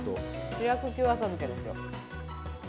主役級浅漬けですよ。